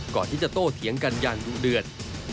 ก่อนที่จะโต้เถียงกันอย่างดุเดือด